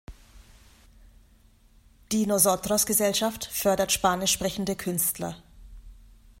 Die Nosotros-Gesellschaft fördert spanisch sprechende Künstler.